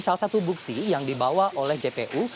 salah satu bukti yang dibawa oleh jpu